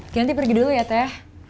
ganti pergi dulu ya teh